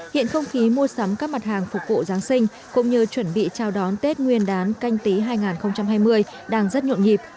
hiện không khí mua sắm các mặt hàng phục vụ giáng sinh cũng như chuẩn bị chào đón tết nguyên đán canh tí hai nghìn hai mươi đang rất nhộn nhịp